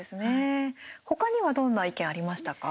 他にはどんな意見ありましたか。